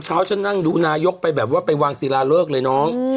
ขาวเดานรู้นายกกูแบบว่าไปวางศิลล์เลิกเลยน้อง